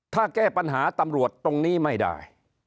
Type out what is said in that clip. ถ้าแก้ปัญหาตำรวจตรงนี้ไม่ได้